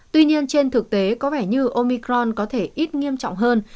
tuy nhiên trên thực tế có vẻ như omicron có thể ít nghiêm trọng hơn